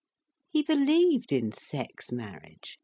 He believed in sex marriage.